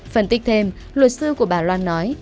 phân tích thêm luật sư của bà loan nói